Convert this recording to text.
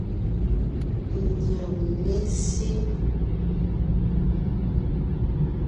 Nÿɔ́g mé síŋ.